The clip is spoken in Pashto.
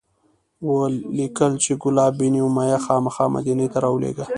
ولیکل چې کلاب بن امیة خامخا مدینې ته راولیږه.